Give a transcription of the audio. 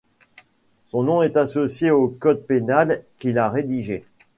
Son nom est associé au code pénal qu'il a rédigé.